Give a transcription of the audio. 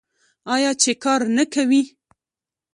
آیا چې کار نه کوي؟